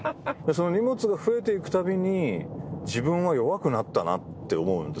荷物が増えていくたびに自分は弱くなったなって思うんですよ。